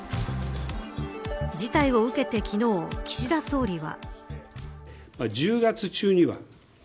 事態を受けて昨日、岸田総理は。